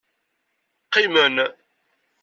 Qqimen.